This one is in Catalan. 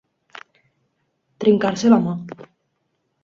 Trencar-se la mà.